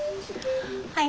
はい。